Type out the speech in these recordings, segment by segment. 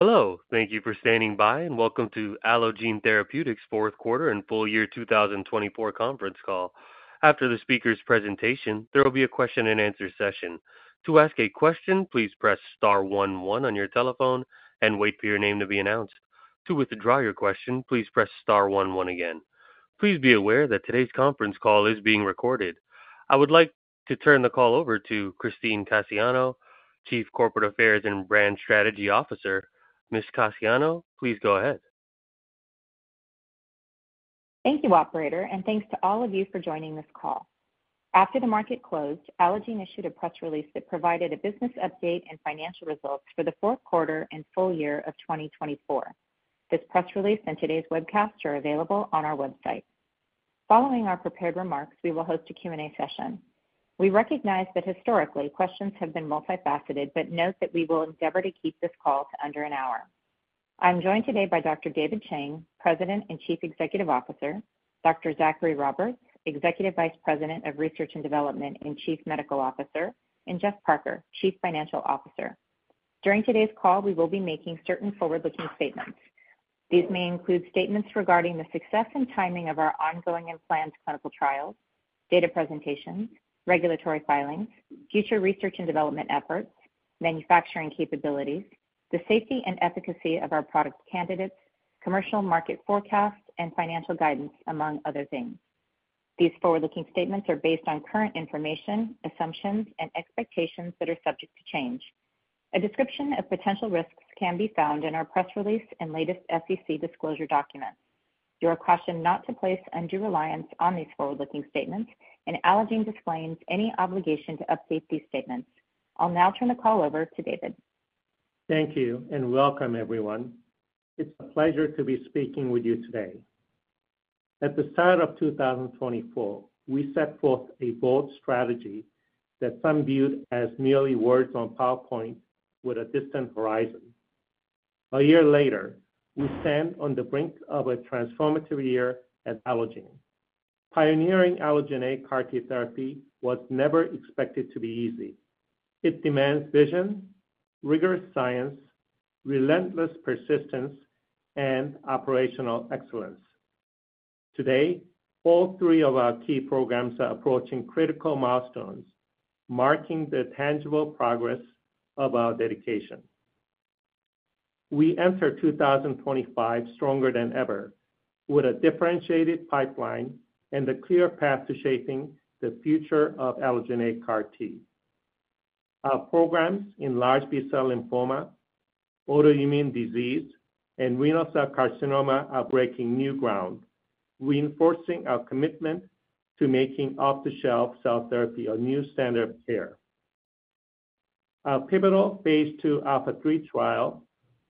Hello. Thank you for standing by, and welcome to Allogene Therapeutics' Fourth Quarter and Full Year 2024 Conference Call. After the speaker's presentation, there will be a Q&A session. To ask a question, please press *11 on your telephone and wait for your name to be announced. To withdraw your question, please press *11 again. Please be aware that today's conference call is being recorded. I would like to turn the call over to Christine Cassiano, Chief Corporate Affairs and Brand Strategy Officer. Ms. Cassiano, please go ahead. Thank you, Operator, and thanks to all of you for joining this call. After the market closed, Allogene issued a press release that provided a business update and financial results for the fourth quarter and full year of 2024. This press release and today's webcast are available on our website. Following our prepared remarks, we will host a Q&A session. We recognize that historically, questions have been multifaceted, but note that we will endeavor to keep this call to under an hour. I'm joined today by Dr. David Chang, President and Chief Executive Officer, Dr. Zachary Roberts, Executive Vice President of Research and Development and Chief Medical Officer, and Geoff Parker, Chief Financial Officer. During today's call, we will be making certain forward-looking statements. These may include statements regarding the success and timing of our ongoing and planned clinical trials, data presentations, regulatory filings, future research and development efforts, manufacturing capabilities, the safety and efficacy of our product candidates, commercial market forecasts, and financial guidance, among other things. These forward-looking statements are based on current information, assumptions, and expectations that are subject to change. A description of potential risks can be found in our press release and latest SEC disclosure documents. You are cautioned not to place undue reliance on these forward-looking statements, and Allogene disclaims any obligation to update these statements. I'll now turn the call over to David. Thank you and welcome, everyone. It's a pleasure to be speaking with you today. At the start of 2024, we set forth a bold strategy that some viewed as merely words on PowerPoint with a distant horizon. A year later, we stand on the brink of a transformative year at Allogene. Pioneering allogeneic CAR T therapy was never expected to be easy. It demands vision, rigorous science, relentless persistence, and operational excellence. Today, all three of our key programs are approaching critical milestones marking the tangible progress of our dedication. We enter 2025 stronger than ever, with a differentiated pipeline and a clear path to shaping the future of allogeneic CAR T. Our programs in large B-cell lymphoma, autoimmune disease, and renal cell carcinoma are breaking new ground, reinforcing our commitment to making off-the-shelf cell therapy a new standard of care. Our pivotal phase II ALPHA3 trial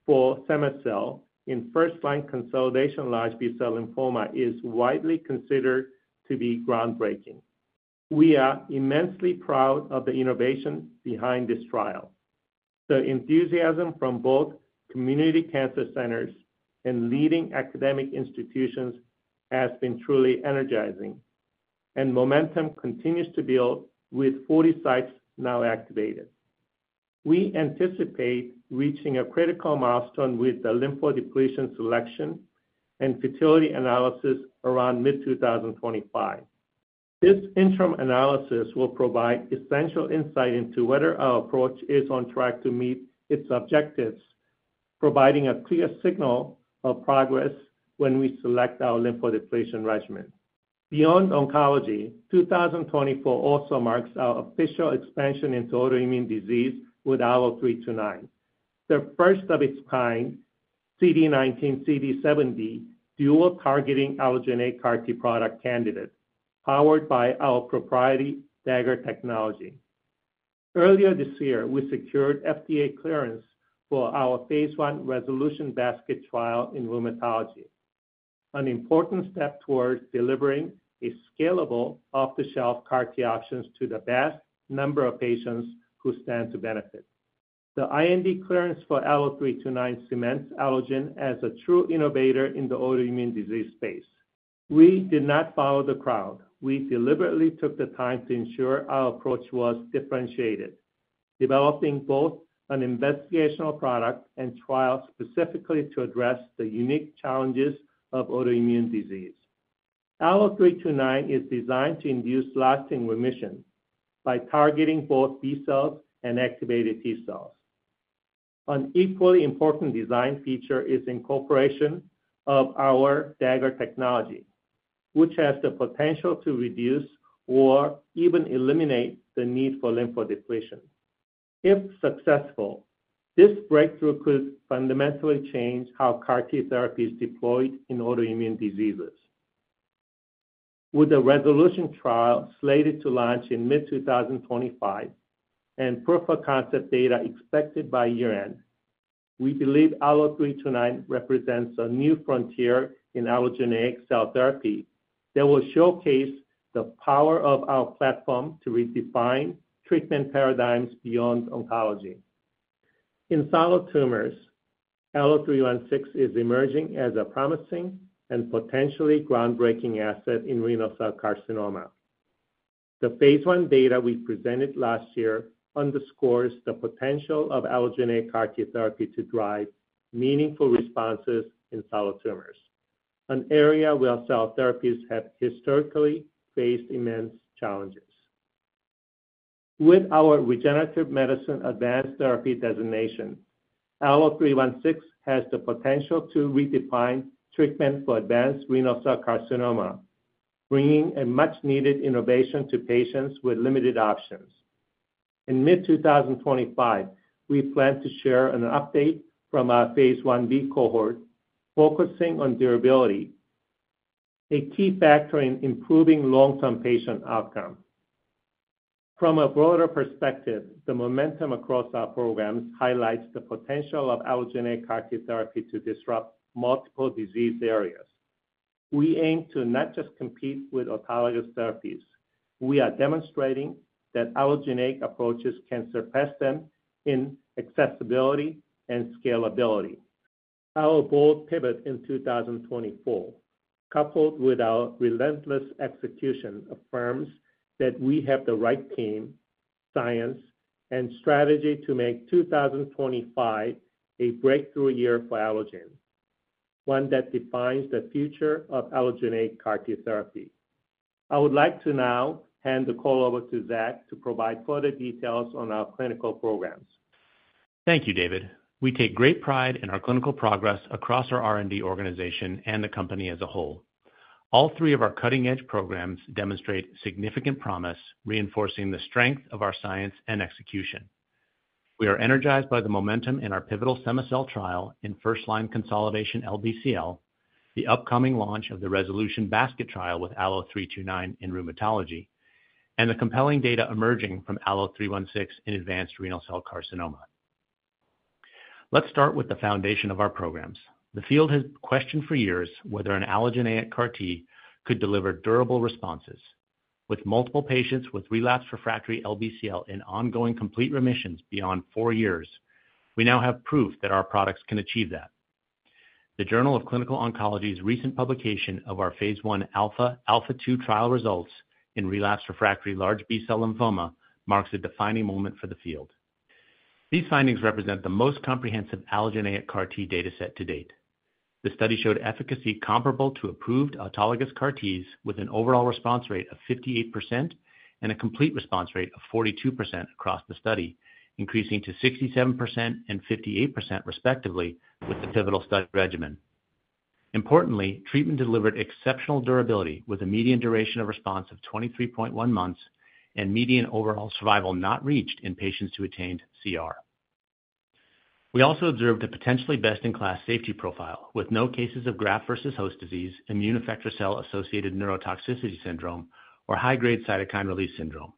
for cema-cel in first-line consolidation large B-cell lymphoma is widely considered to be groundbreaking. We are immensely proud of the innovation behind this trial. The enthusiasm from both community cancer centers and leading academic institutions has been truly energizing, and momentum continues to build with 40 sites now activated. We anticipate reaching a critical milestone with the lymphodepletion selection and futility analysis around mid-2025. This interim analysis will provide essential insight into whether our approach is on track to meet its objectives, providing a clear signal of progress when we select our lymphodepletion regimen. Beyond oncology, 2024 also marks our official expansion into autoimmune disease with ALLO-329, the first of its kind, CD19/CD70 dual-targeting allogeneic CAR T product candidate, powered by our proprietary Dagger technology. Earlier this year, we secured FDA clearance for our phase I RESOLUTION basket trial in rheumatology, an important step towards delivering a scalable off-the-shelf CAR T option to the vast number of patients who stand to benefit. The IND clearance for ALLO-329 cements Allogene as a true innovator in the autoimmune disease space. We did not follow the crowd. We deliberately took the time to ensure our approach was differentiated, developing both an investigational product and trial specifically to address the unique challenges of autoimmune disease. ALLO-329 is designed to induce lasting remission by targeting both B-cells and activated T-cells. An equally important design feature is incorporation of our Dagger technology, which has the potential to reduce or even eliminate the need for lymphodepletion. If successful, this breakthrough could fundamentally change how CAR T therapy is deployed in autoimmune diseases. With the RESOLUTION trial slated to launch in mid-2025 and proof of concept data expected by year-end, we believe ALLO-329 represents a new frontier in allogeneic cell therapy that will showcase the power of our platform to redefine treatment paradigms beyond oncology. In solid tumors, ALLO-316 is emerging as a promising and potentially groundbreaking asset in renal cell carcinoma. The phase I data we presented last year underscores the potential of allogeneic CAR T therapy to drive meaningful responses in solid tumors, an area where cell therapies have historically faced immense challenges. With our Regenerative Medicine Advanced Therapy designation, ALLO-316 has the potential to redefine treatment for advanced renal cell carcinoma, bringing a much-needed innovation to patients with limited options. In mid-2025, we plan to share an update from our phase Ib cohort focusing on durability, a key factor in improving long-term patient outcome. From a broader perspective, the momentum across our programs highlights the potential of allogeneic CAR T therapy to disrupt multiple disease areas. We aim to not just compete with autologous therapies. We are demonstrating that Allogene approaches can surpass them in accessibility and scalability. Our bold pivot in 2024, coupled with our relentless execution, affirms that we have the right team, science, and strategy to make 2025 a breakthrough year for Allogene, one that defines the future of allogeneic CAR T therapy. I would like to now hand the call over to Zach to provide further details on our clinical programs. Thank you, David. We take great pride in our clinical progress across our R&D organization and the company as a whole. All three of our cutting-edge programs demonstrate significant promise, reinforcing the strength of our science and execution. We are energized by the momentum in our pivotal cema-cel trial in first-line consolidation LBCL, the upcoming launch of the RESOLUTION basket trial with ALLO-329 in rheumatology, and the compelling data emerging from ALLO-316 in advanced renal cell carcinoma. Let's start with the foundation of our programs. The field has questioned for years whether an allogeneic CAR T could deliver durable responses. With multiple patients with relapsed refractory LBCL and ongoing complete remissions beyond four years, we now have proof that our products can achieve that. The Journal of Clinical Oncology's recent publication of our phase I ALPHA/ALPHA2 trial results in relapsed refractory large B-cell lymphoma marks a defining moment for the field. These findings represent the most comprehensive allogeneic CAR T dataset to date. The study showed efficacy comparable to approved autologous CAR Ts, with an overall response rate of 58% and a complete response rate of 42% across the study, increasing to 67% and 58% respectively with the pivotal study regimen. Importantly, treatment delivered exceptional durability with a median duration of response of 23.1 months and median overall survival not reached in patients who attained CR. We also observed a potentially best-in-class safety profile with no cases of graft versus host disease, immune effector cell-associated neurotoxicity syndrome, or high-grade cytokine release syndrome.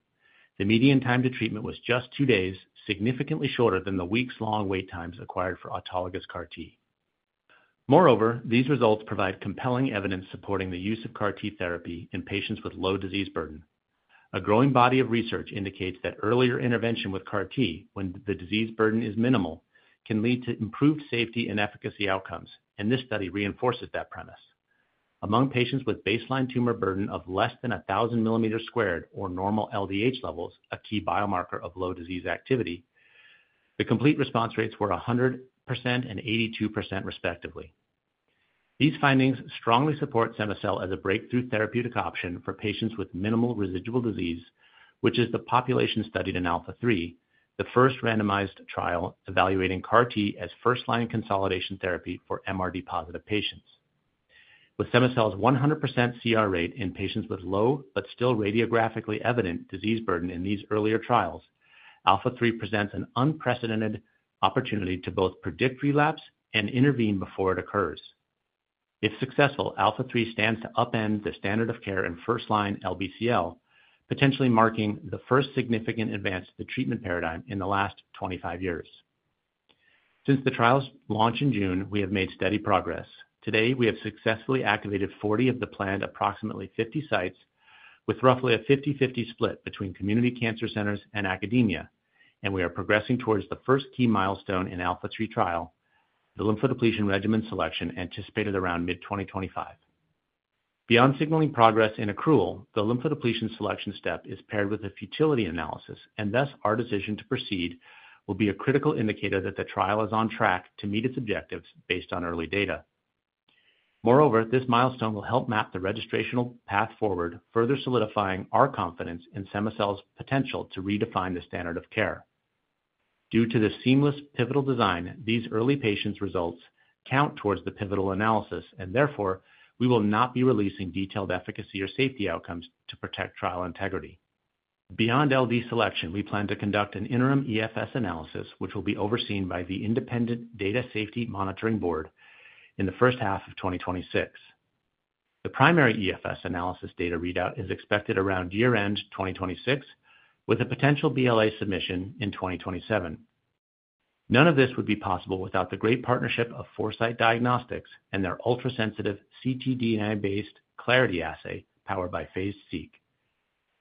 The median time to treatment was just two days, significantly shorter than the weeks-long wait times required for autologous CAR T. Moreover, these results provide compelling evidence supporting the use of CAR T therapy in patients with low disease burden. A growing body of research indicates that earlier intervention with CAR T, when the disease burden is minimal, can lead to improved safety and efficacy outcomes, and this study reinforces that premise. Among patients with baseline tumor burden of less than 1,000 millimeters squared or normal LDH levels, a key biomarker of low disease activity, the complete response rates were 100% and 82% respectively. These findings strongly support cema-cel as a breakthrough therapeutic option for patients with minimal residual disease, which is the population studied in ALPHA3, the first randomized trial evaluating CAR T as first-line consolidation therapy for MRD-positive patients. With cema-cel's 100% CR rate in patients with low but still radiographically evident disease burden in these earlier trials, ALPHA3 presents an unprecedented opportunity to both predict relapse and intervene before it occurs. If successful, ALPHA3 stands to upend the standard of care in first-line LBCL, potentially marking the first significant advance to the treatment paradigm in the last 25 years. Since the trial's launch in June, we have made steady progress. Today, we have successfully activated 40 of the planned approximately 50 sites, with roughly a 50/50 split between community cancer centers and academia, and we are progressing towards the first key milestone in ALPHA3 trial, the lymphodepletion regimen selection anticipated around mid-2025. Beyond signaling progress in accrual, the lymphodepletion selection step is paired with a futility analysis, and thus our decision to proceed will be a critical indicator that the trial is on track to meet its objectives based on early data. Moreover, this milestone will help map the registrational path forward, further solidifying our confidence in cema-cel's potential to redefine the standard of care. Due to the seamless pivotal design, these early patients' results count towards the pivotal analysis, and therefore, we will not be releasing detailed efficacy or safety outcomes to protect trial integrity. Beyond LD selection, we plan to conduct an interim EFS analysis, which will be overseen by the Independent Data Safety Monitoring Board in the first half of 2026. The primary EFS analysis data readout is expected around year-end 2026, with a potential BLA submission in 2027. None of this would be possible without the great partnership of Foresight Diagnostics and their ultra-sensitive ctDNA-based CLARITY assay powered by PhasED-Seq.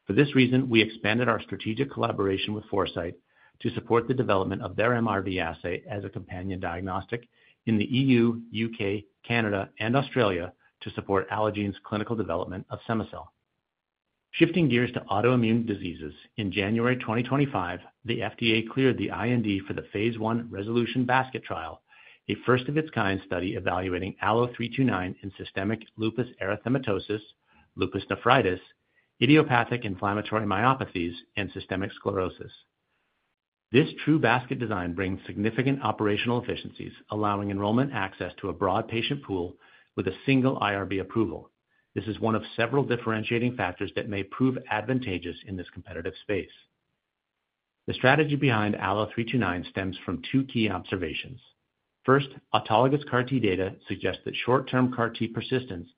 For this reason, we expanded our strategic collaboration with Foresight to support the development of their MRD assay as a companion diagnostic in the EU, U.K., Canada, and Australia to support Allogene's clinical development of cema-cel. Shifting gears to autoimmune diseases, in January 2025, the FDA cleared the IND for the phase I RESOLUTION basket trial, a first-of-its-kind study evaluating ALLO-329 in systemic lupus erythematosus, lupus nephritis, idiopathic inflammatory myopathies, and systemic sclerosis. This true basket design brings significant operational efficiencies, allowing enrollment access to a broad patient pool with a single IRB approval. This is one of several differentiating factors that may prove advantageous in this competitive space. The strategy behind ALLO-329 stems from two key observations. First, autologous CAR T data suggests that short-term CAR T persistence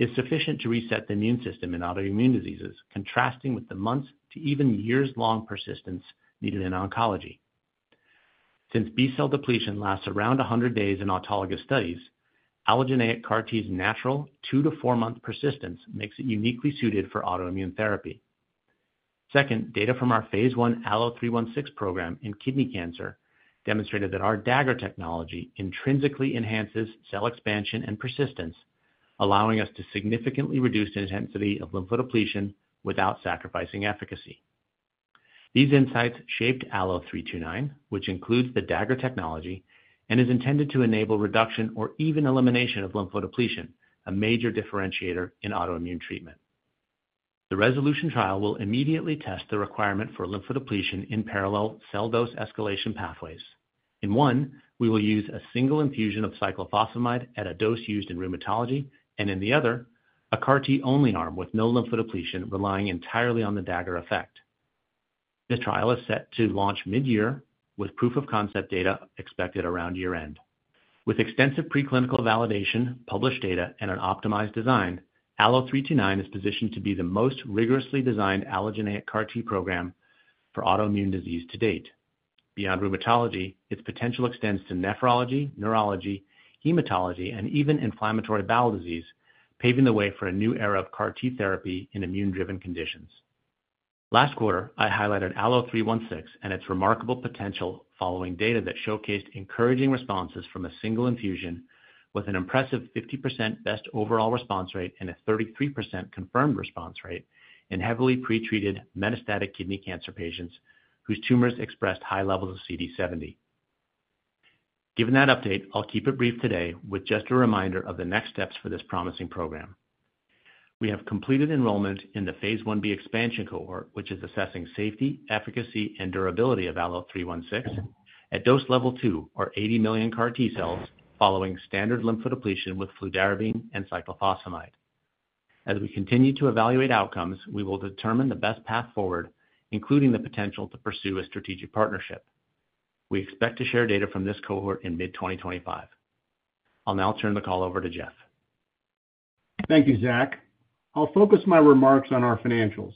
is sufficient to reset the immune system in autoimmune diseases, contrasting with the months to even years-long persistence needed in oncology. Since B-cell depletion lasts around 100 days in autologous studies, allogeneic CAR T's natural two to four-month persistence makes it uniquely suited for autoimmune therapy. Second, data from our phase I ALLO-316 program in kidney cancer demonstrated that our Dagger technology intrinsically enhances cell expansion and persistence, allowing us to significantly reduce the intensity of lymphodepletion without sacrificing efficacy. These insights shaped ALLO-329, which includes the Dagger technology and is intended to enable reduction or even elimination of lymphodepletion, a major differentiator in autoimmune treatment. The RESOLUTION trial will immediately test the requirement for lymphodepletion in parallel cell dose escalation pathways. In one, we will use a single infusion of cyclophosphamide at a dose used in rheumatology, and in the other, a CAR T-only arm with no lymphodepletion relying entirely on the Dagger effect. This trial is set to launch mid-year with proof of concept data expected around year-end. With extensive preclinical validation, published data, and an optimized design, ALLO-329 is positioned to be the most rigorously designed allogeneic CAR T program for autoimmune disease to date. Beyond rheumatology, its potential extends to nephrology, neurology, hematology, and even inflammatory bowel disease, paving the way for a new era of CAR T therapy in immune-driven conditions. Last quarter, I highlighted ALLO-316 and its remarkable potential following data that showcased encouraging responses from a single infusion with an impressive 50% best overall response rate and a 33% confirmed response rate in heavily pretreated metastatic kidney cancer patients whose tumors expressed high levels of CD70. Given that update, I'll keep it brief today with just a reminder of the next steps for this promising program. We have completed enrollment in the phase Ib expansion cohort, which is assessing safety, efficacy, and durability of ALLO-316 at dose level 2 or 80 million CAR T cells following standard lymphodepletion with fludarabine and cyclophosphamide. As we continue to evaluate outcomes, we will determine the best path forward, including the potential to pursue a strategic partnership. We expect to share data from this cohort in mid-2025. I'll now turn the call over to Geoff. Thank you, Zach. I'll focus my remarks on our financials.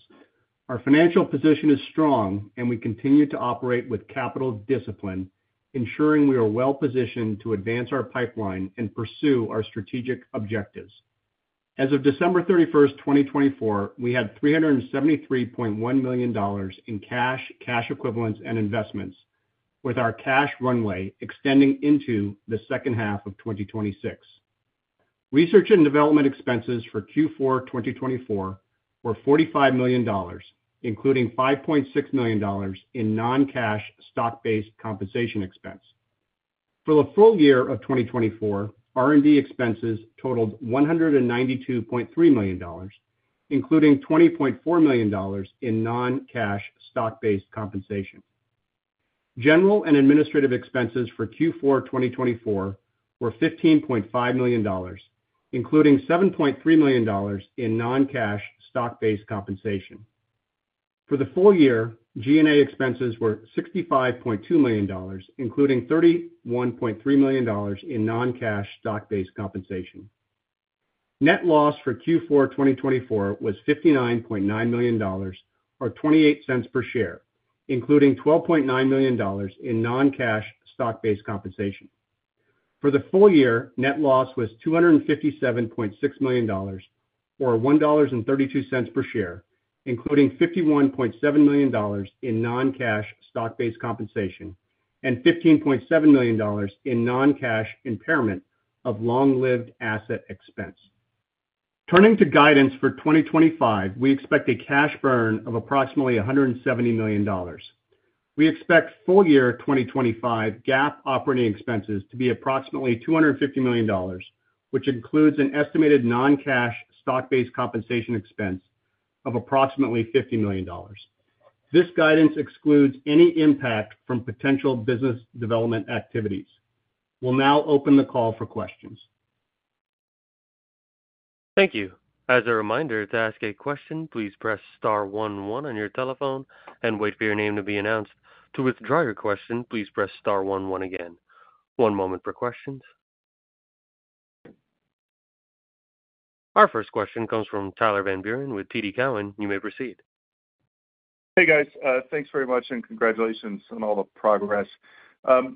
Our financial position is strong, and we continue to operate with capital discipline, ensuring we are well-positioned to advance our pipeline and pursue our strategic objectives. As of December 31, 2024, we had $373.1 million in cash, cash equivalents, and investments, with our cash runway extending into the second half of 2026. Research and development expenses for Q4 2024 were $45 million, including $5.6 million in non-cash stock-based compensation expense. For the full year of 2024, R&D expenses totaled $192.3 million, including $20.4 million in non-cash stock-based compensation. General and administrative expenses for Q4 2024 were $15.5 million, including $7.3 million in non-cash stock-based compensation. For the full year, G&A expenses were $65.2 million, including $31.3 million in non-cash stock-based compensation. Net loss for Q4 2024 was $59.9 million or $0.28 per share, including $12.9 million in non-cash stock-based compensation. For the full year, net loss was $257.6 million or $1.32 per share, including $51.7 million in non-cash stock-based compensation and $15.7 million in non-cash impairment of long-lived asset expense. Turning to guidance for 2025, we expect a cash burn of approximately $170 million. We expect full year 2025 GAAP operating expenses to be approximately $250 million, which includes an estimated non-cash stock-based compensation expense of approximately $50 million. This guidance excludes any impact from potential business development activities. We'll now open the call for questions. Thank you. As a reminder, to ask a question, please press *11 on your telephone and wait for your name to be announced. To withdraw your question, please press *11 again. One moment for questions. Our first question comes from Tyler Van Buren with TD Cowen. You may proceed. Hey, guys. Thanks very much and congratulations on all the progress.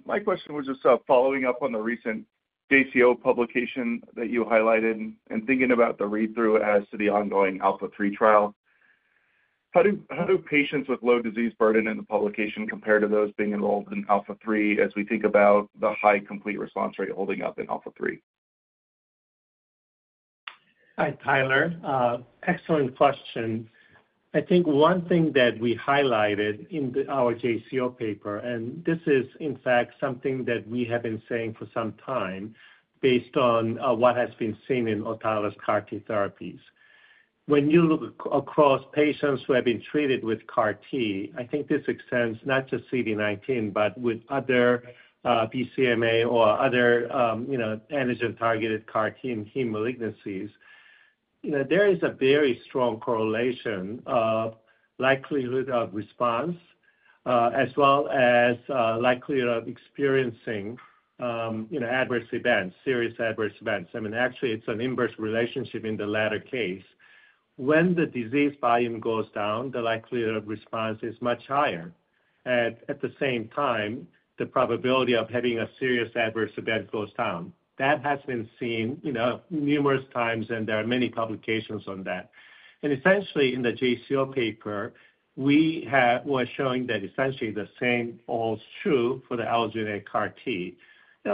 My question was just following up on the recent JCO publication that you highlighted and thinking about the read-through as to the ongoing ALPHA3 trial. How do patients with low disease burden in the publication compare to those being enrolled in ALPHA3 as we think about the high complete response rate holding up in ALPHA3? Hi, Tyler. Excellent question. I think one thing that we highlighted in our JCO paper, and this is, in fact, something that we have been saying for some time based on what has been seen in autologous CAR T therapies. When you look across patients who have been treated with CAR T, I think this extends not just CD19, but with other BCMA or other antigen-targeted CAR T and heme malignancies. There is a very strong correlation of likelihood of response as well as likelihood of experiencing adverse events, serious adverse events. I mean, actually, it's an inverse relationship in the latter case. When the disease volume goes down, the likelihood of response is much higher. At the same time, the probability of having a serious adverse event goes down. That has been seen numerous times, and there are many publications on that. Essentially, in the JCO paper, we were showing that essentially the same holds true for the allogeneic CAR T.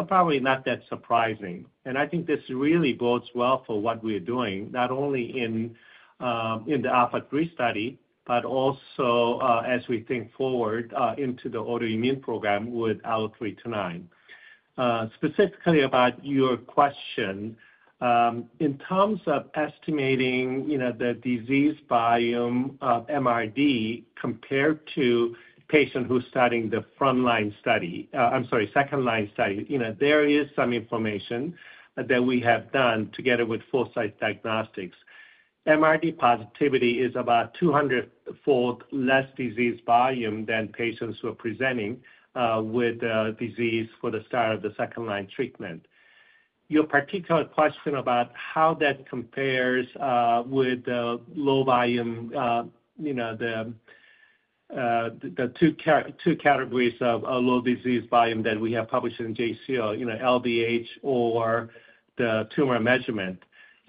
Probably not that surprising. I think this really bodes well for what we are doing, not only in the ALPHA3 study, but also as we think forward into the autoimmune program with ALLO-329. Specifically about your question, in terms of estimating the disease volume of MRD compared to patients who are studying the front-line study—I'm sorry, second-line study—there is some information that we have done together with Foresight Diagnostics. MRD positivity is about 200-fold less disease volume than patients who are presenting with disease for the start of the second-line treatment. Your particular question about how that compares with the low volume, the two categories of low disease volume that we have published in JCO, LBCL or the tumor measurement,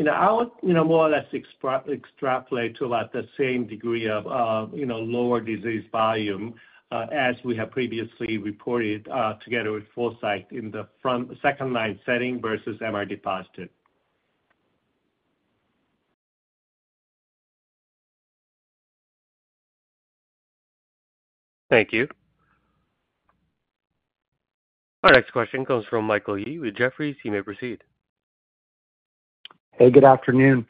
I would more or less extrapolate to about the same degree of lower disease volume as we have previously reported together with Foresight in the second-line setting versus MRD positive. Thank you. Our next question comes from Michael Yee with Jefferies. You may proceed. Hey, good afternoon.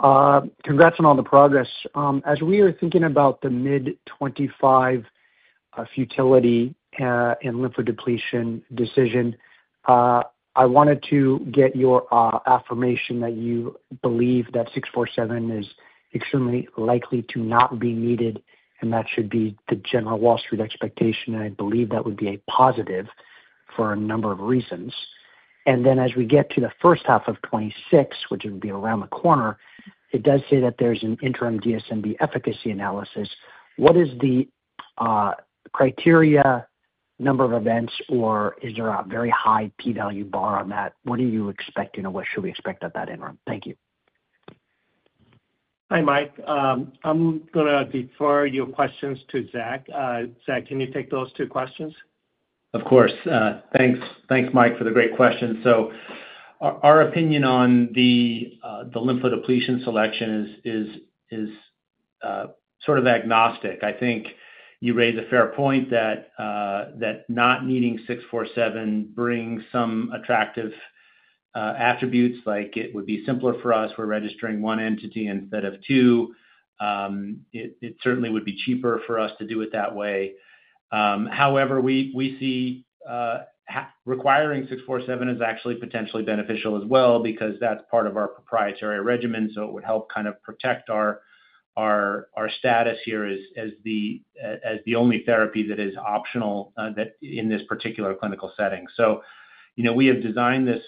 Congrats on all the progress. As we are thinking about the mid-2025 futility in lymphodepletion decision, I wanted to get your affirmation that you believe that 647 is extremely likely to not be needed, and that should be the general Wall Street expectation. I believe that would be a positive for a number of reasons. As we get to the first half of 2026, which would be around the corner, it does say that there is an interim DSMB efficacy analysis. What is the criteria, number of events, or is there a very high P-value bar on that? What are you expecting, or what should we expect at that interim? Thank you. Hi, Mike. I'm going to defer your questions to Zach. Zach, can you take those two questions? Of course. Thanks, Mike, for the great question. Our opinion on the lymphodepletion selection is sort of agnostic. I think you raise a fair point that not needing 647 brings some attractive attributes, like it would be simpler for us. We're registering one entity instead of two. It certainly would be cheaper for us to do it that way. However, we see requiring 647 is actually potentially beneficial as well because that's part of our proprietary regimen. It would help kind of protect our status here as the only therapy that is optional in this particular clinical setting. We have designed this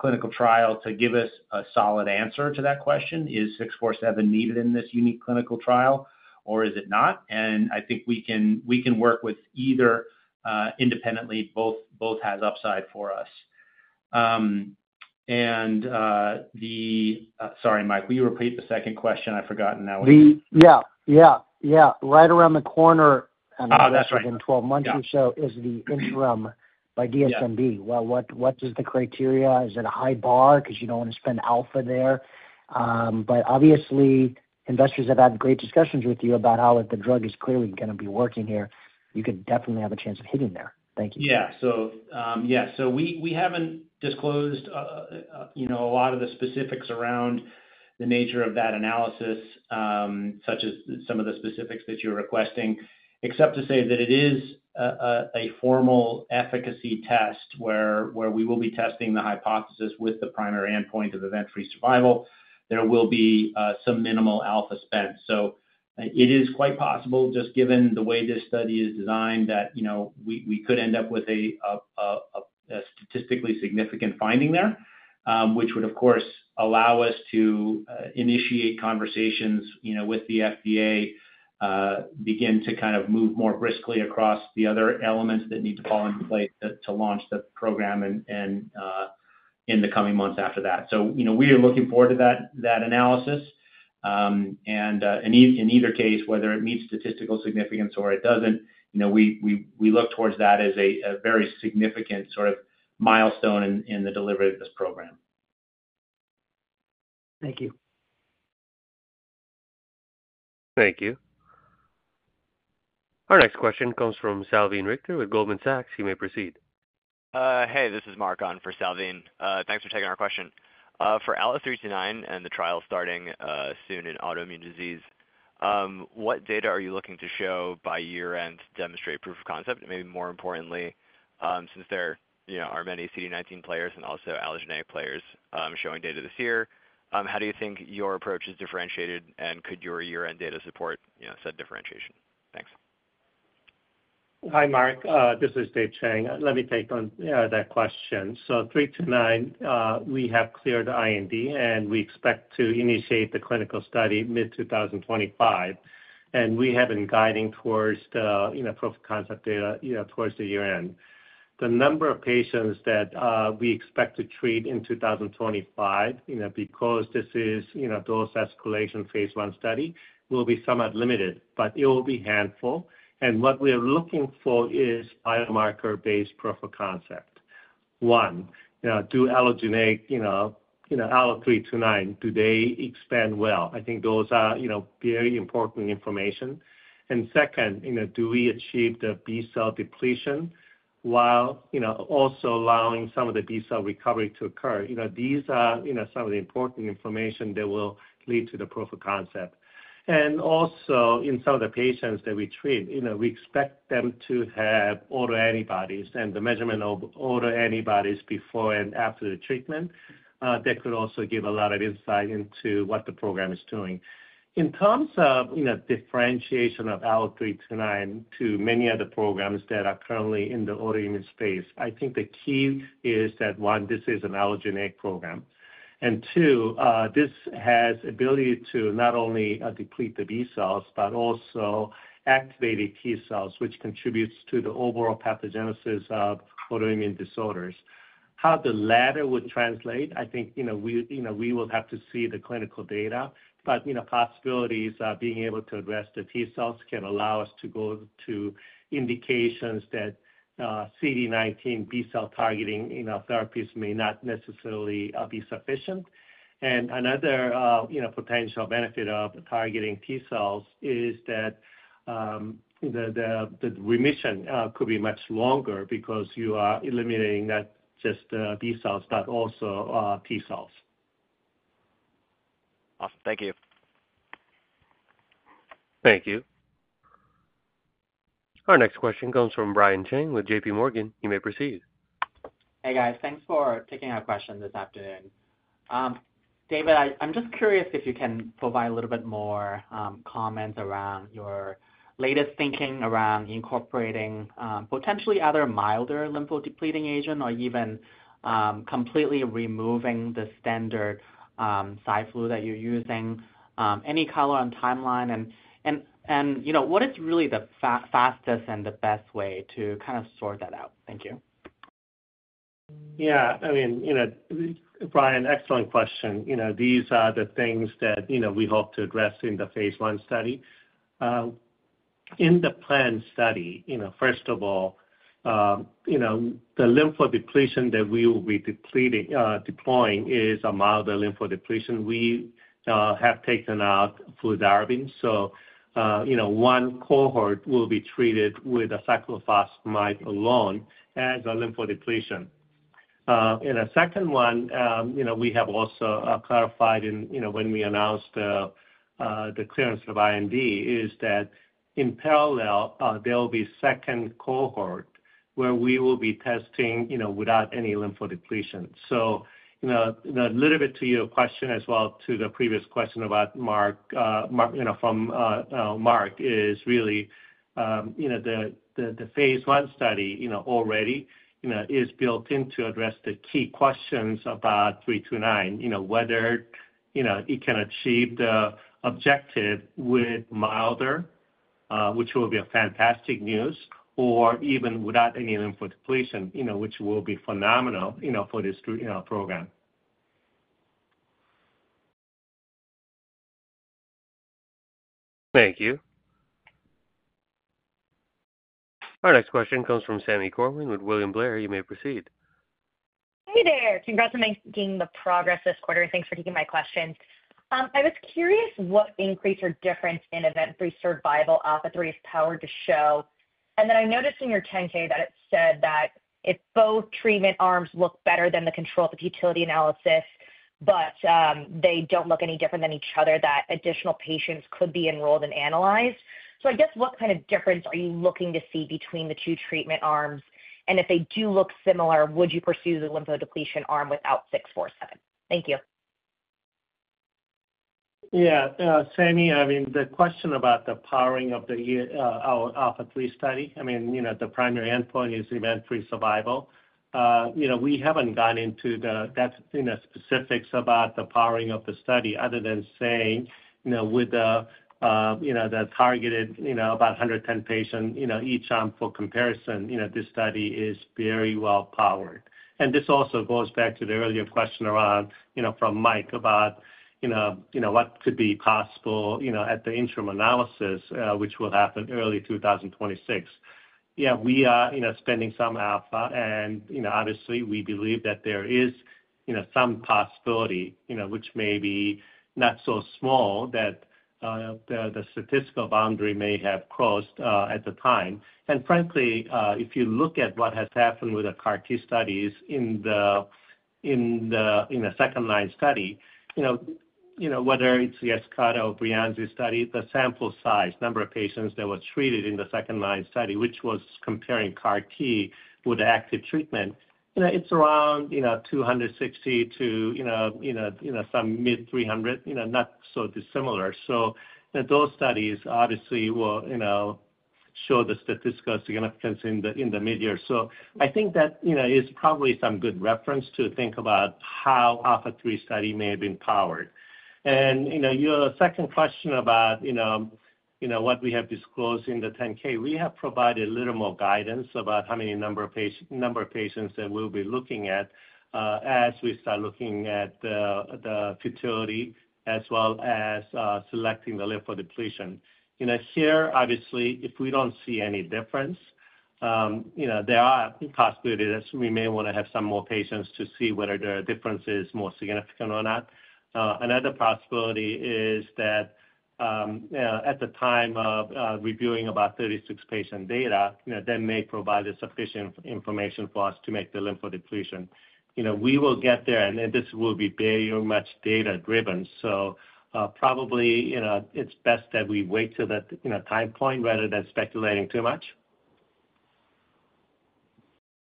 clinical trial to give us a solid answer to that question. Is 647 needed in this unique clinical trial, or is it not? I think we can work with either independently. Both have upside for us. Sorry, Mike, will you repeat the second question? I forgotten that one. Yeah. Yeah. Yeah. Right around the corner in 12 months or so is the interim by DSMB. What is the criteria? Is it a high bar because you do not want to spend alpha there? Obviously, investors have had great discussions with you about how the drug is clearly going to be working here. You could definitely have a chance of hitting there. Thank you. Yeah. Yeah. We haven't disclosed a lot of the specifics around the nature of that analysis, such as some of the specifics that you're requesting, except to say that it is a formal efficacy test where we will be testing the hypothesis with the primary endpoint of event-free survival. There will be some minimal alpha spent. It is quite possible, just given the way this study is designed, that we could end up with a statistically significant finding there, which would, of course, allow us to initiate conversations with the FDA, begin to kind of move more briskly across the other elements that need to fall into place to launch the program in the coming months after that. We are looking forward to that analysis. In either case, whether it meets statistical significance or it doesn't, we look towards that as a very significant sort of milestone in the delivery of this program. Thank you. Thank you. Our next question comes from Salveen Richter with Goldman Sachs. You may proceed. Hey, this is Mark on for Salveen. Thanks for taking our question. For ALLO-329 and the trial starting soon in autoimmune disease, what data are you looking to show by year-end to demonstrate proof of concept? Maybe more importantly, since there are many CD19 players and also allogeneic players showing data this year, how do you think your approach is differentiated, and could your year-end data support said differentiation? Thanks. Hi, Mark. This is Dave Chang. Let me take on that question. 329, we have cleared IND, and we expect to initiate the clinical study mid-2025. We have been guiding towards the proof of concept data towards the year-end. The number of patients that we expect to treat in 2025, because this is a dose escalation phase one study, will be somewhat limited, but it will be handful. What we are looking for is biomarker-based proof of concept. One, do allogeneic ALLO-329, do they expand well? I think those are very important information. Second, do we achieve the B-cell depletion while also allowing some of the B-cell recovery to occur? These are some of the important information that will lead to the proof of concept. Also, in some of the patients that we treat, we expect them to have autoantibodies and the measurement of autoantibodies before and after the treatment. That could also give a lot of insight into what the program is doing. In terms of differentiation of ALLO-329 to many other programs that are currently in the autoimmune space, I think the key is that, one, this is an allogeneic program. Two, this has the ability to not only deplete the B-cells, but also activate the T-cells, which contributes to the overall pathogenesis of autoimmune disorders. How the latter would translate, I think we will have to see the clinical data. Possibilities of being able to address the T-cells can allow us to go to indications that CD19 B-cell targeting therapies may not necessarily be sufficient. Another potential benefit of targeting T-cells is that the remission could be much longer because you are eliminating not just B-cells, but also T-cells. Awesome. Thank you. Thank you. Our next question comes from Brian Cheng with JPMorgan. He may proceed. Hey, guys. Thanks for taking our question this afternoon. David, I'm just curious if you can provide a little bit more comments around your latest thinking around incorporating potentially other milder lymphodepleting agents or even completely removing the standard fludarabine that you're using. Any color on timeline and what is really the fastest and the best way to kind of sort that out? Thank you. Yeah. I mean, Brian, excellent question. These are the things that we hope to address in the phase one study. In the planned study, first of all, the lymphodepletion that we will be deploying is a milder lymphodepletion. We have taken out fludarabine. One cohort will be treated with cyclophosphamide alone as a lymphodepletion. A second one, we have also clarified when we announced the clearance of IND, is that in parallel, there will be a second cohort where we will be testing without any lymphodepletion. A little bit to your question as well to the previous question from Mark is really the phase one study already is built in to address the key questions about 329, whether it can achieve the objective with milder, which will be fantastic news, or even without any lymphodepletion, which will be phenomenal for this program. Thank you. Our next question comes from Sami Corwin with William Blair. You may proceed. Hey there. Congrats on making the progress this quarter. Thanks for taking my question. I was curious what increase or difference in event-free survival ALPHA3 is powered to show. I noticed in your 10-K that it said that if both treatment arms look better than the control with futility analysis, but they do not look any different than each other, that additional patients could be enrolled and analyzed. I guess what kind of difference are you looking to see between the two treatment arms? If they do look similar, would you pursue the lymphodepletion arm without 647? Thank you. Yeah. Sami, I mean, the question about the powering of the ALPHA3 study, I mean, the primary endpoint is event-free survival. We haven't gone into the specifics about the powering of the study other than saying with the targeted about 110 patients each arm for comparison, this study is very well powered. This also goes back to the earlier question around from Mike about what could be possible at the interim analysis, which will happen early 2026. Yeah, we are spending some alpha. Obviously, we believe that there is some possibility, which may be not so small, that the statistical boundary may have crossed at the time. Frankly, if you look at what has happened with the CAR T studies in the second-line study, whether it's the Yescarta or Breyanzi study, the sample size, number of patients that were treated in the second-line study, which was comparing CAR T with active treatment, it's around 260 to some mid-300, not so dissimilar. Those studies obviously will show the statistical significance in the mid-year. I think that is probably some good reference to think about how the ALPHA3 study may have been powered. Your second question about what we have disclosed in the 10-K, we have provided a little more guidance about how many number of patients that we'll be looking at as we start looking at the futility as well as selecting the lymphodepletion. Here, obviously, if we don't see any difference, there are possibilities that we may want to have some more patients to see whether the difference is more significant or not. Another possibility is that at the time of reviewing about 36 patient data, that may provide sufficient information for us to make the lymphodepletion. We will get there, and this will be very much data-driven. Probably it's best that we wait till that time point rather than speculating too much.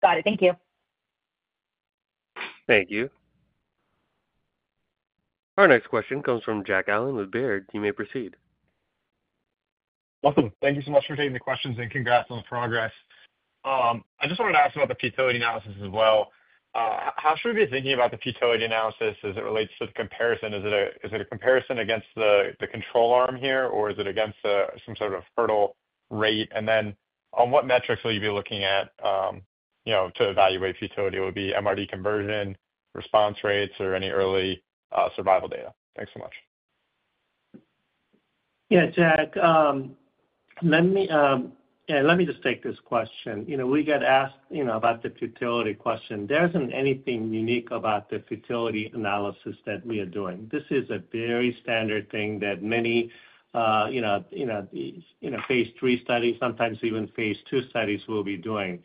Got it. Thank you. Thank you. Our next question comes from Jack Allen with Robert W. Baird & Co. You may proceed. Awesome. Thank you so much for taking the questions and congrats on the progress. I just wanted to ask about the futility analysis as well. How should we be thinking about the futility analysis as it relates to the comparison? Is it a comparison against the control arm here, or is it against some sort of hurdle rate? What metrics will you be looking at to evaluate futility? Would it be MRD conversion, response rates, or any early survival data? Thanks so much. Yeah, Jack. Let me just take this question. We got asked about the futility question. There isn't anything unique about the futility analysis that we are doing. This is a very standard thing that many phase three studies, sometimes even phase two studies will be doing.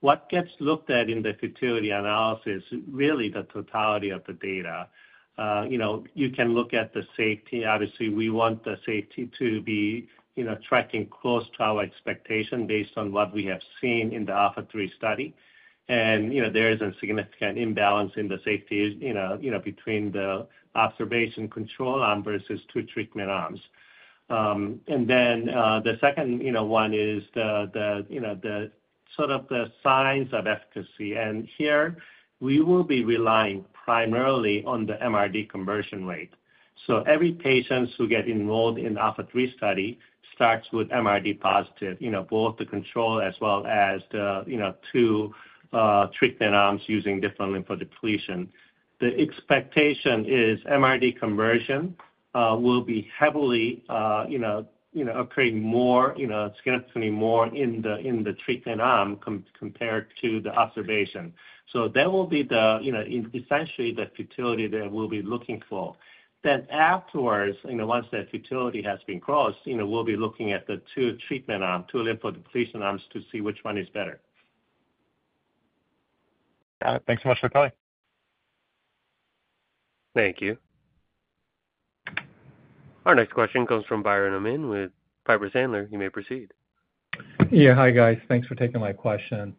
What gets looked at in the futility analysis is really the totality of the data. You can look at the safety. Obviously, we want the safety to be tracking close to our expectation based on what we have seen in the ALPHA3 trial. There is a significant imbalance in the safety between the observation control arm versus two treatment arms. The second one is sort of the signs of efficacy. Here, we will be relying primarily on the MRD conversion rate. Every patient who gets enrolled in the ALPHA3 study starts with MRD positive, both the control as well as the two treatment arms using different lymphodepletion. The expectation is MRD conversion will be heavily occurring, more significantly more in the treatment arm compared to the observation. That will be essentially the futility that we'll be looking for. Afterwards, once that futility has been crossed, we'll be looking at the two treatment arms, two lymphodepletion arms, to see which one is better. Got it. Thanks so much for coming. Thank you. Our next question comes from Biren Amin with Piper Sandler. You may proceed. Yeah. Hi, guys. Thanks for taking my question.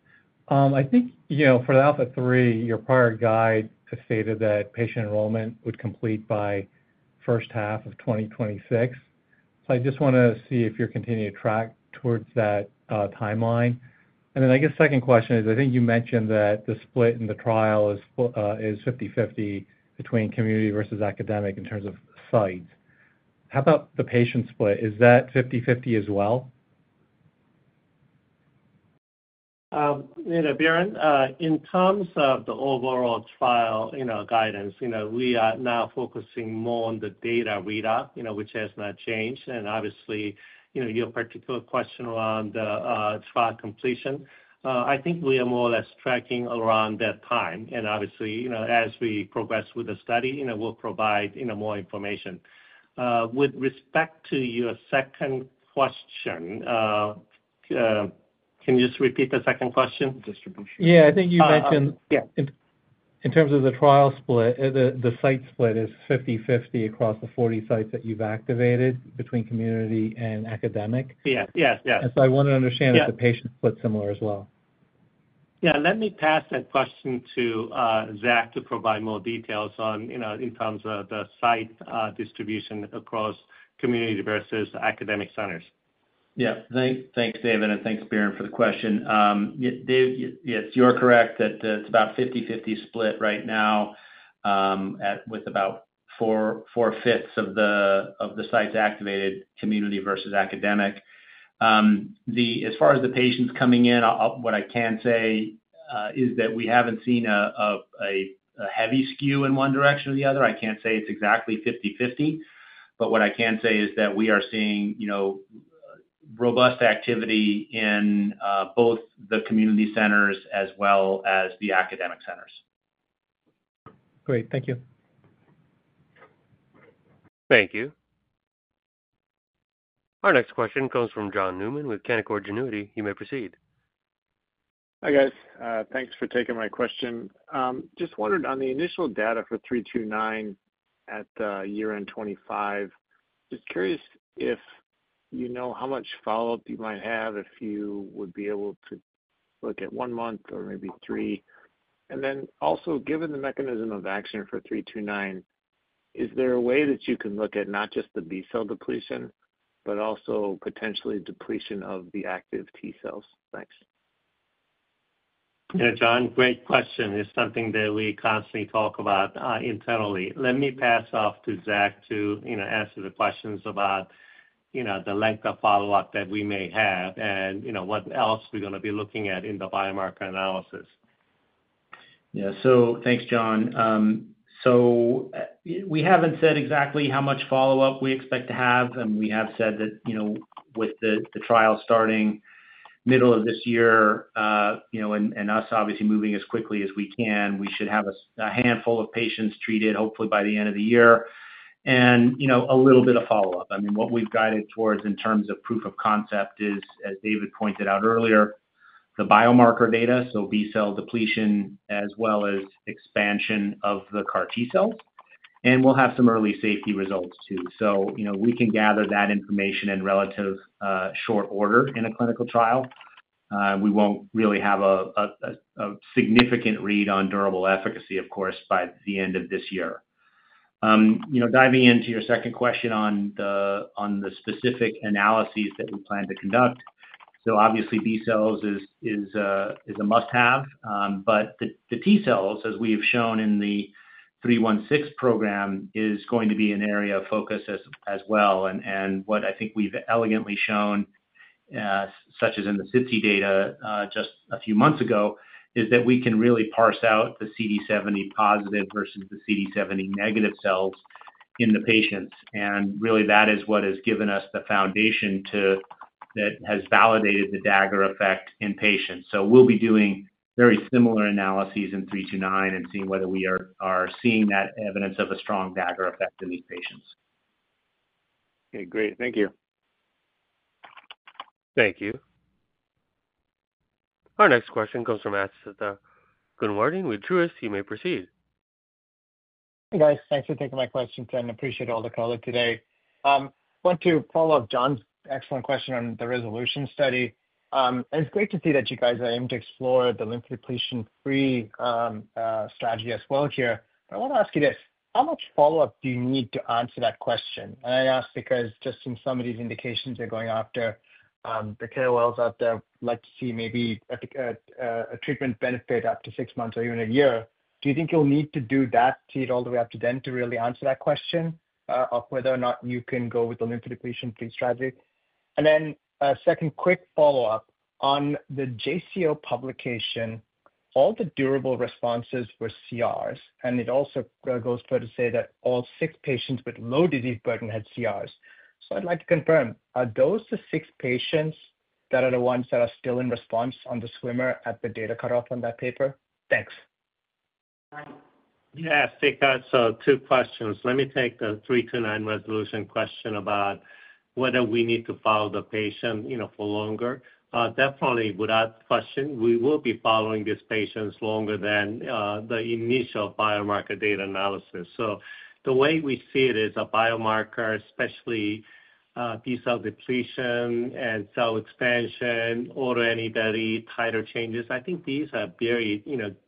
I think for the ALPHA3, your prior guide stated that patient enrollment would complete by first half of 2026. I just want to see if you're continuing to track towards that timeline. I guess the second question is, I think you mentioned that the split in the trial is 50/50 between community versus academic in terms of sites. How about the patient split? Is that 50/50 as well? Yeah, Biren, in terms of the overall trial guidance, we are now focusing more on the data readout, which has not changed. Obviously, your particular question around the trial completion, I think we are more or less tracking around that time. Obviously, as we progress with the study, we'll provide more information. With respect to your second question, can you just repeat the second question? Yeah. I think you mentioned, yeah, in terms of the trial split, the site split is 50/50 across the 40 sites that you've activated between community and academic. Yes. Yes. Yes. I want to understand if the patient split's similar as well. Yeah. Let me pass that question to Zach to provide more details in terms of the site distribution across community versus academic centers. Yeah. Thanks, David. Thanks, Biren, for the question. David, yes, you're correct that it's about a 50/50 split right now with about four-fifths of the sites activated, community versus academic. As far as the patients coming in, what I can say is that we haven't seen a heavy skew in one direction or the other. I can't say it's exactly 50/50. What I can say is that we are seeing robust activity in both the community centers as well as the academic centers. Great. Thank you. Thank you. Our next question comes from John Newman with Canaccord Genuity. You may proceed. Hi, guys. Thanks for taking my question. Just wondered on the initial data for 329 at year-end 2025, just curious if you know how much follow-up you might have if you would be able to look at one month or maybe three. Also, given the mechanism of action for 329, is there a way that you can look at not just the B-cell depletion, but also potentially depletion of the active T-cells? Thanks. Yeah, John, great question. It's something that we constantly talk about internally. Let me pass off to Zach to answer the questions about the length of follow-up that we may have and what else we're going to be looking at in the biomarker analysis. Yeah. Thanks, John. We haven't said exactly how much follow-up we expect to have. We have said that with the trial starting middle of this year and us obviously moving as quickly as we can, we should have a handful of patients treated hopefully by the end of the year and a little bit of follow-up. I mean, what we've guided towards in terms of proof of concept is, as David pointed out earlier, the biomarker data, so B-cell depletion as well as expansion of the CAR T cells. We'll have some early safety results too. We can gather that information in relative short order in a clinical trial. We won't really have a significant read on durable efficacy, of course, by the end of this year. Diving into your second question on the specific analyses that we plan to conduct, obviously, B-cells is a must-have. The T-cells, as we have shown in the 316 program, is going to be an area of focus as well. What I think we've elegantly shown, such as in the SITC data just a few months ago, is that we can really parse out the CD70 positive versus the CD70 negative cells in the patients. Really, that is what has given us the foundation that has validated the dagger effect in patients. We'll be doing very similar analyses in 329 and seeing whether we are seeing that evidence of a strong dagger effect in these patients. Okay. Great. Thank you. Thank you. Our next question comes from Asthika Goonewardene with Truist. You may proceed. Hey, guys. Thanks for taking my questions, and I appreciate all the color today. I want to follow up John's excellent question on the RESOLUTION study. It is great to see that you guys are aiming to explore the lymphodepletion-free strategy as well here. I want to ask you this. How much follow-up do you need to answer that question? I ask because just in some of these indications they're going after, the KOLs out there would like to see maybe a treatment benefit up to six months or even a year. Do you think you'll need to do that, to go all the way up to then, to really answer that question of whether or not you can go with the lymphodepletion-free strategy? A second quick follow-up. On the JCO publication, all the durable responses were CRs, and it also goes further to say that all six patients with low disease burden had CRs. I'd like to confirm, are those the six patients that are the ones that are still in response on the swimmer at the data cutoff on that paper? Thanks. Yeah. I think that's two questions. Let me take the 329 RESOLUTION question about whether we need to follow the patient for longer. Definitely, without question, we will be following these patients longer than the initial biomarker data analysis. The way we see it is a biomarker, especially B-cell depletion and cell expansion, autoantibody, titer changes. I think these are very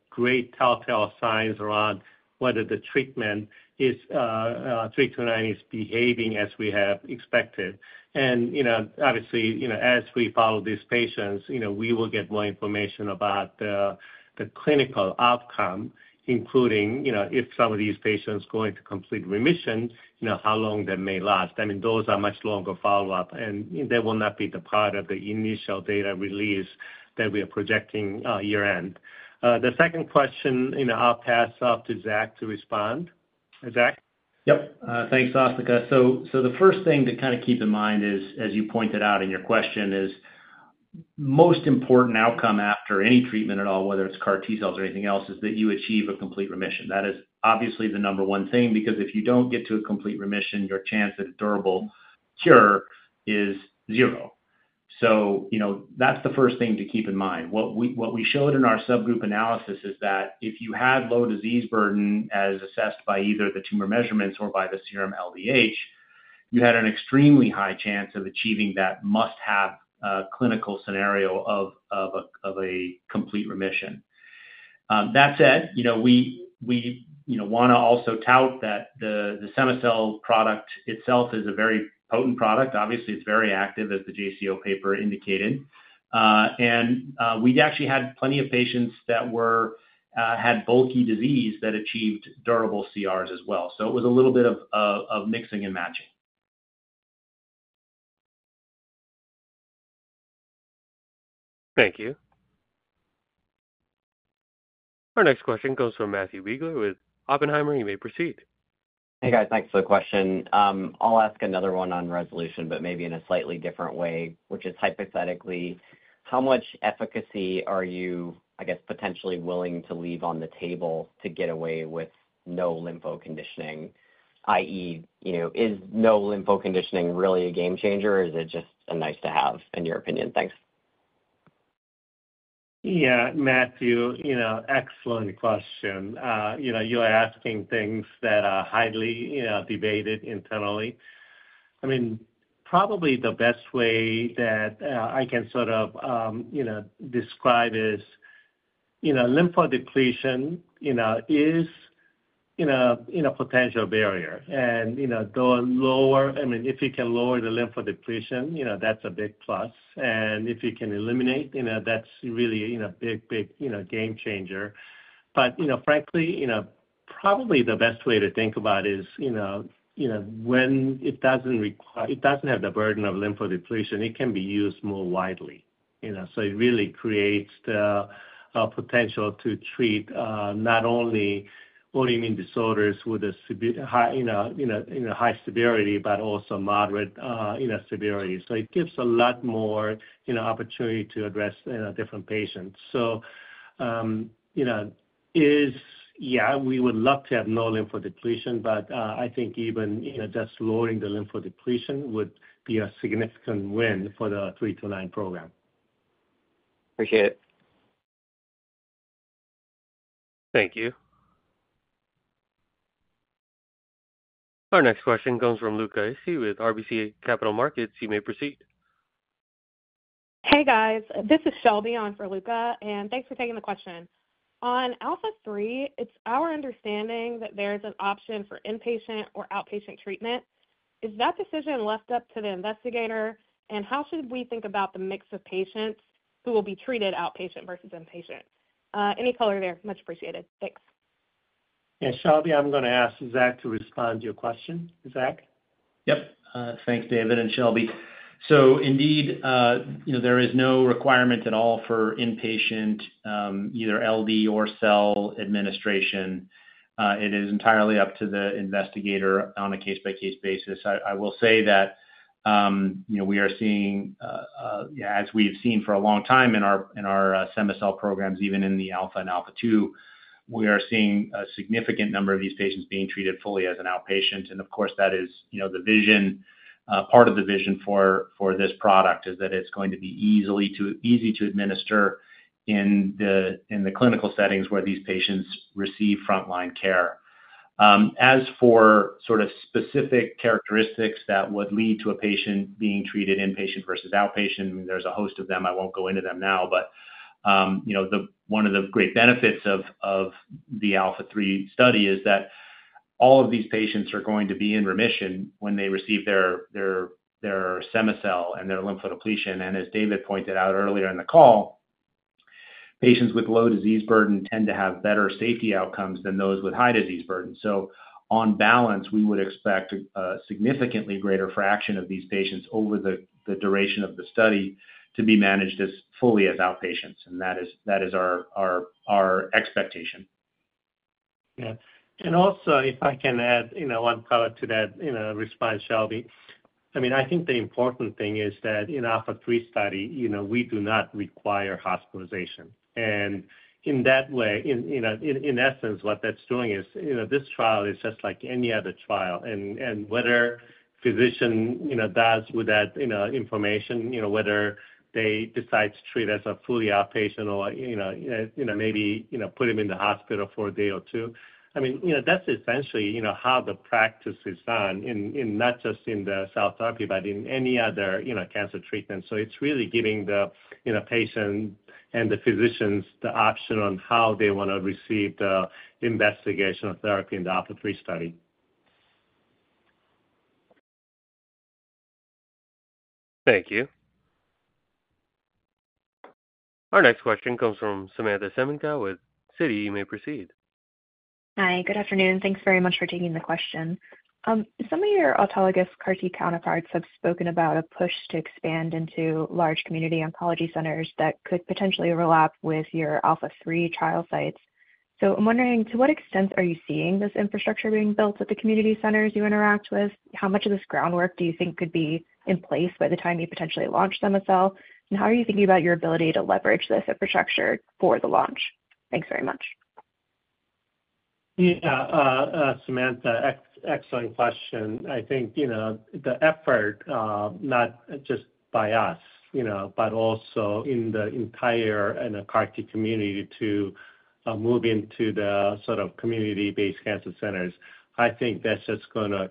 great telltale signs around whether the treatment is 329 is behaving as we have expected. Obviously, as we follow these patients, we will get more information about the clinical outcome, including if some of these patients are going to complete remission, how long they may last. I mean, those are much longer follow-up, and they will not be the part of the initial data release that we are projecting year-end. The second question, I'll pass off to Zach to respond. Zach? Yep. Thanks, Asthika. The first thing to kind of keep in mind, as you pointed out in your question, is the most important outcome after any treatment at all, whether it's CAR T cells or anything else, is that you achieve a complete remission. That is obviously the number one thing because if you don't get to a complete remission, your chance at a durable cure is zero. That's the first thing to keep in mind. What we showed in our subgroup analysis is that if you had low disease burden as assessed by either the tumor measurements or by the serum LDH, you had an extremely high chance of achieving that must-have clinical scenario of a complete remission. That said, we want to also tout that the cema-cel product itself is a very potent product. Obviously, it's very active, as the JCO paper indicated. We actually had plenty of patients that had bulky disease that achieved durable CRs as well. It was a little bit of mixing and matching. Thank you. Our next question comes from Matthew Biegler with Oppenheimer & Co. You may proceed. Hey, guys. Thanks for the question. I'll ask another one on RESOLUTION, but maybe in a slightly different way, which is hypothetically, how much efficacy are you, I guess, potentially willing to leave on the table to get away with no lymphodepletion, i.e., is no lymphodepletion really a game changer, or is it just a nice-to-have, in your opinion? Thanks. Yeah. Matthew, excellent question. You're asking things that are highly debated internally. I mean, probably the best way that I can sort of describe is lymphodepletion is a potential barrier. I mean, if you can lower the lymphodepletion, that's a big plus. If you can eliminate, that's really a big, big game changer. Frankly, probably the best way to think about it is when it doesn't have the burden of lymphodepletion, it can be used more widely. It really creates the potential to treat not only autoimmune disorders with a high severity but also moderate severity. It gives a lot more opportunity to address different patients. Yeah, we would love to have no lymphodepletion, but I think even just lowering the lymphodepletion would be a significant win for the 329 program. Appreciate it. Thank you. Our next question comes from Luca Issi with RBC Capital Markets. You may proceed. Hey, guys. This is Shelby on for Luca, and thanks for taking the question. On ALPHA3, it's our understanding that there's an option for inpatient or outpatient treatment. Is that decision left up to the investigator? How should we think about the mix of patients who will be treated outpatient versus inpatient? Any color there. Much appreciated. Thanks. Yeah. Shelby, I'm going to ask Zach to respond to your question. Zach? Yep. Thanks, David and Shelby. There is no requirement at all for inpatient either LD or cell administration. It is entirely up to the investigator on a case-by-case basis. I will say that we are seeing, as we've seen for a long time in our cema-cel programs, even in the ALPHA and ALPHA-2, we are seeing a significant number of these patients being treated fully as an outpatient. Of course, that is the vision. Part of the vision for this product is that it's going to be easy to administer in the clinical settings where these patients receive frontline care. As for sort of specific characteristics that would lead to a patient being treated inpatient versus outpatient, I mean, there's a host of them. I won't go into them now. One of the great benefits of the ALPHA3 study is that all of these patients are going to be in remission when they receive their cema-cel and their lymphodepletion. As David pointed out earlier in the call, patients with low disease burden tend to have better safety outcomes than those with high disease burden. On balance, we would expect a significantly greater fraction of these patients over the duration of the study to be managed as fully as outpatients. That is our expectation. Yeah. If I can add one color to that response, Shelby, I mean, I think the important thing is that in the ALPHA3 study, we do not require hospitalization. In that way, in essence, what that's doing is this trial is just like any other trial. What a physician does with that information, whether they decide to treat as a fully outpatient or maybe put him in the hospital for a day or two, I mean, that's essentially how the practice is done not just in cell therapy but in any other cancer treatment. It is really giving the patient and the physicians the option on how they want to receive the investigational therapy in the ALPHA3 study. Thank you. Our next question comes from Samantha Semenkow with Citi. You may proceed. Hi. Good afternoon. Thanks very much for taking the question. Some of your autologous CAR T counterparts have spoken about a push to expand into large community oncology centers that could potentially overlap with your ALPHA3 trial sites. I am wondering, to what extent are you seeing this infrastructure being built at the community centers you interact with? How much of this groundwork do you think could be in place by the time you potentially launch cema-cel? How are you thinking about your ability to leverage this infrastructure for the launch? Thanks very much. Yeah. Samantha, excellent question. I think the effort, not just by us, but also in the entire CAR T community to move into the sort of community-based cancer centers, I think that's just going to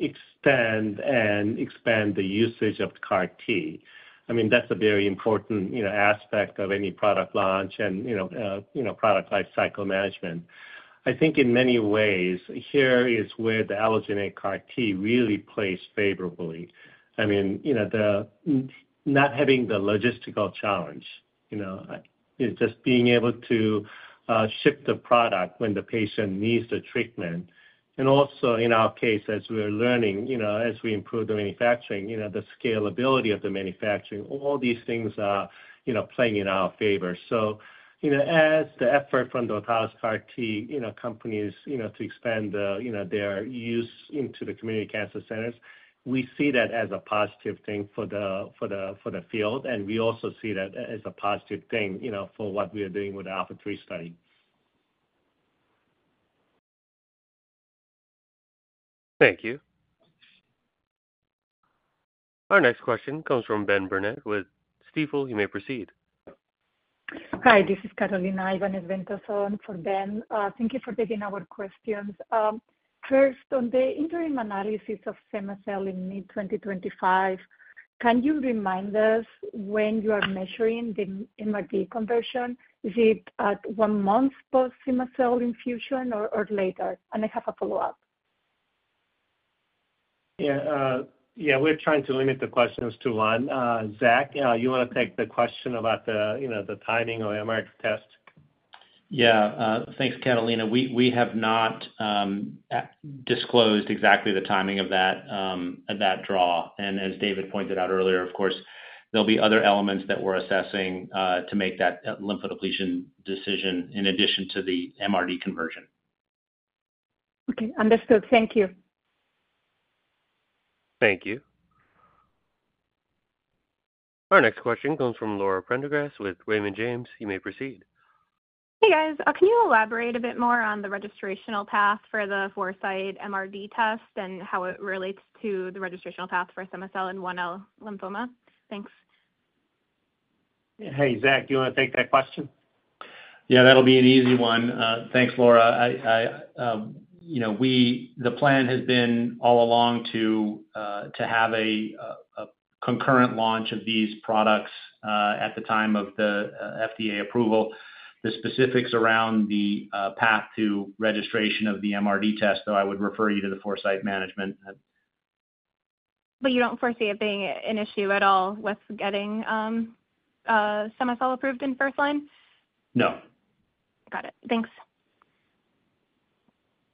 extend and expand the usage of CAR T. I mean, that's a very important aspect of any product launch and product life cycle management. I think in many ways, here is where the allogeneic CAR T really plays favorably. I mean, not having the logistical challenge, just being able to ship the product when the patient needs the treatment. Also, in our case, as we're learning, as we improve the manufacturing, the scalability of the manufacturing, all these things are playing in our favor. As the effort from the autologous CAR T companies to expand their use into the community cancer centers, we see that as a positive thing for the field. We also see that as a positive thing for what we are doing with the ALPHA3 trial. Thank you. Our next question comes from Ben Burnett with Stifel. You may proceed. Hi. This is Carolina Ibanez Ventoso for Ben. Thank you for taking our questions. First, on the interim analysis of cema-cel in mid-2025, can you remind us when you are measuring the MRD conversion? Is it at one month post cema-cel infusion or later? I have a follow-up. Yeah. Yeah. We're trying to limit the questions to one. Zach, you want to take the question about the timing of the MRD test? Yeah. Thanks, Carolina. We have not disclosed exactly the timing of that draw. As David pointed out earlier, of course, there will be other elements that we're assessing to make that lymphodepletion decision in addition to the MRD conversion. Okay. Understood. Thank you. Thank you. Our next question comes from Laura Prendergast with Raymond James. You may proceed. Hey, guys. Can you elaborate a bit more on the registrational path for the Foresight MRD test and how it relates to the registrational path for cema-cel and first-line lymphoma? Thanks. Hey, Zach, do you want to take that question? Yeah. That'll be an easy one. Thanks, Laura. The plan has been all along to have a concurrent launch of these products at the time of the FDA approval. The specifics around the path to registration of the MRD test, though, I would refer you to the Foresight management. You don't foresee it being an issue at all with getting cema-cel approved in first line? No. Got it. Thanks.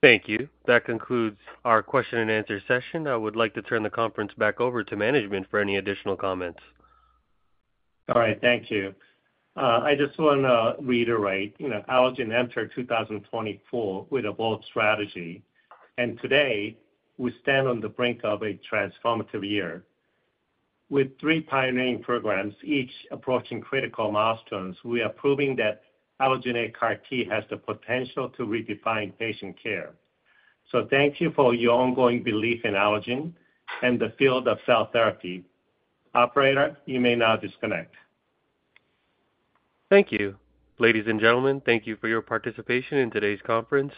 Thank you. That concludes our Q&A session. I would like to turn the conference back over to management for any additional comments. All right. Thank you. I just want to reiterate, Allogene enter 2024 with a bold strategy. Today, we stand on the brink of a transformative year. With three pioneering programs, each approaching critical milestones, we are proving that allogeneic CAR T has the potential to redefine patient care. Thank you for your ongoing belief in Allogene and the field of cell therapy. Operator, you may now disconnect. Thank you. Ladies and gentlemen, thank you for your participation in today's conference.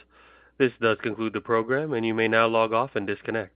This does conclude the program, and you may now log off and disconnect.